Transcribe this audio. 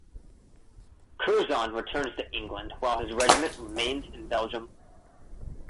Curzon returns to England while his regiment remains in Belgium.